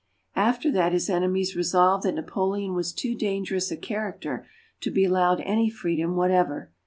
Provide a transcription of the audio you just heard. After that his enemies resolved that Napoleon was too dangerous a character to be allowed any freedom whatever.